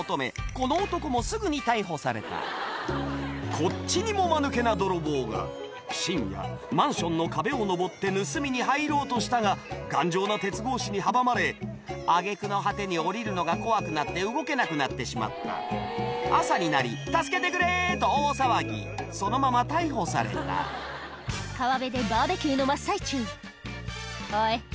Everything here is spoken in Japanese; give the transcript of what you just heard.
この男もすぐに逮捕されたこっちにもマヌケな泥棒が深夜マンションの壁を登って盗みに入ろうとしたが頑丈な鉄格子に阻まれ挙げ句の果てに下りるのが怖くなって動けなくなってしまった朝になり「助けてくれ！」と大騒ぎそのまま逮捕された川辺でバーベキューの真っ最中「おい」